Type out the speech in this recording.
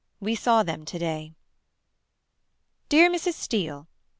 We saw them to day. Dear Mrs. Steele.